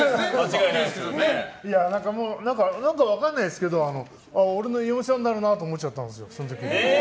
何か分からないですけど俺の嫁さんになるなと思っちゃったんですよ